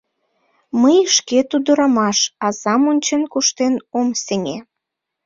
Мый, шкет ӱдырамаш, азам ончен куштен ом сеҥе.